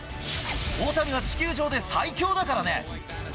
大谷は地球上で最強だからね。